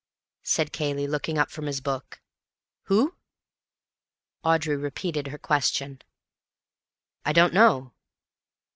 said Cayley, looking up from his book. "Who?" Audrey repeated her question. "I don't know.